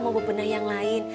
mau bebenah yang lain